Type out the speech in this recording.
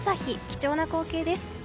貴重な光景です。